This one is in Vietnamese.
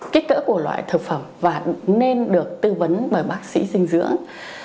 kích cỡ của loại thực phẩm và nên được tư vấn bởi bác sĩ dinh dưỡng